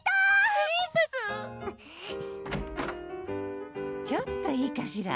プリンセスちょっといいかしら？